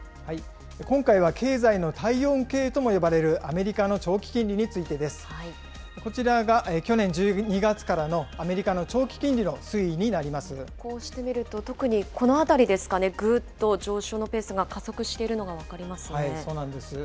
今回は経済の体温計とも呼ばれるアメリカの長期金利についてです。こちらが去年１２月からのアメリこうして見ると、特にこのあたりですかね、ぐーっと上昇のペースが加速しているのが分かりまそうなんです。